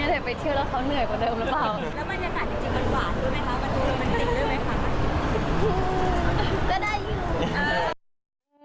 เราไปเที่ยวเขาเหนื่อยกว่าเดิมรับเปล่า